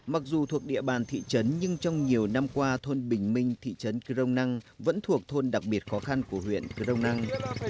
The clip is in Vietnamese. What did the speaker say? mặc dù thuộc địa bàn thị trấn nhưng trong nhiều năm qua thôn bình minh thị trấn crong năng vẫn thuộc thôn đặc biệt khó khăn của huyện crong năng